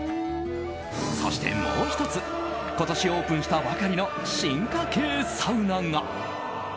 そして、もう１つ今年オープンしたばかりの進化系サウナが。